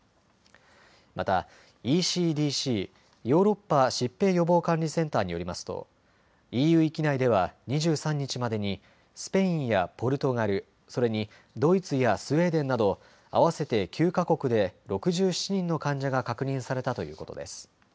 またＥＣＤＣ・ヨーロッパ疾病予防管理センターによりますとＥＵ域内では２３日までにスペインやポルトガル、それにドイツやスウェーデンなど合わせて９か国で６７人の患者が確認されたということです。